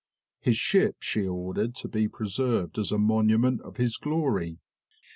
His ship she ordered to be preserved as a monument of his glory.